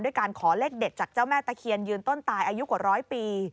การขอเลขเด็ดจากเจ้าแม่ตะเคียนยืนต้นตายอายุกว่าร้อยปี